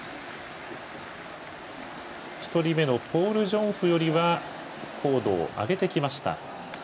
１人目のポール・ジョンフよりは高度を上げてきました。